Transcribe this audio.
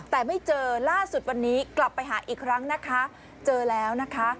แต่ไม่เจอล่าสุดวันนี้กลับไปหาอีกครั้งนะคะเจอแล้วนะคะ